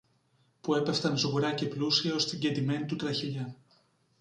που έπεφταν σγουρά και πλούσια ως την κεντημένη του τραχηλιά.